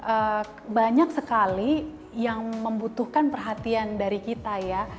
kenyataannya banyak sekali orang tua orang tua yang membutuhkan perhatian dari kita ya